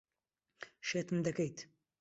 شێتم دەکەیت.